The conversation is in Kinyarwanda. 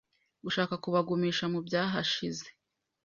gushaka kubagumisha mu by’ahashize